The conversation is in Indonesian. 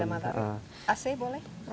nggak boleh ada matahari